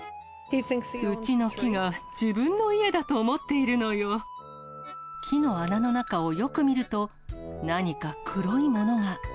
うちの木が自分の家だと思っ切の穴の中をよく見ると、何か黒いものが。